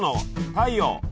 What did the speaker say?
太陽。